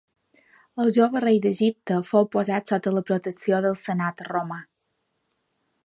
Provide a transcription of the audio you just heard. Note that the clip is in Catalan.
El jove rei d'Egipte fou posat sota la protecció del senat romà.